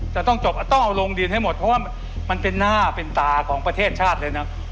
จะต้องจบต้องเอาลงดินให้หมดเพราะว่ามันเป็นหน้าเป็นตาของประเทศชาติเลยนะ